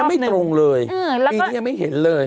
ไม่ตรงเลยปีนี้ยังไม่เห็นเลย